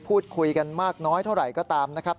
พูดคุยกันมากน้อยเท่าไหร่ก็ตามนะครับ